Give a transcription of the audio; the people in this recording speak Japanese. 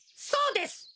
そうです。